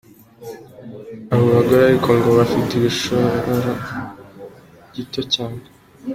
Abo bagore ariko ngo bafite igishoro gito cyane.